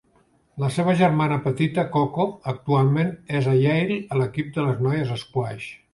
La seva germana petita, Coco, actualment és a Yale a l'equip de les noies Squash.